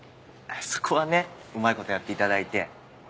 そこはねうまいことやっていただいて。